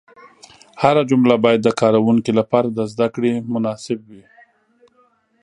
هره جمله باید د کاروونکي لپاره د زده کړې مناسب وي.